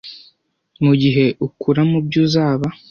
Mugihe ukura mubyo uzaba.